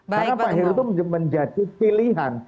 karena pak heru itu menjadi pilihan